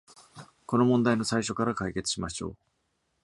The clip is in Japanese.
この問題の最初から解決しましょう。